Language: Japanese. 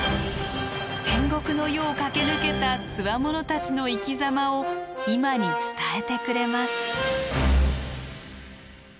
戦国の世を駆け抜けた兵たちの生きざまを今に伝えてくれます。